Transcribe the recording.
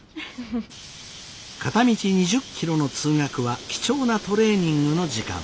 片道２０キロの通学は貴重なトレーニングの時間。